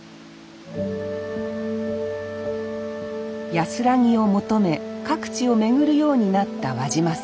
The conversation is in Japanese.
安らぎを求め各地を巡るようになった和嶋さん。